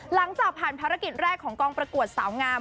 หลังจากผ่านภารกิจแรกของกองประกวดสาวงาม